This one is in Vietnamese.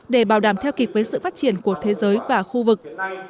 để bảo đảm theo kịch với sự phát triển của thế giới và khu vực